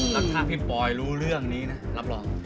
แล้วถ้าพี่ปอยรู้เรื่องนี้นะรับรอง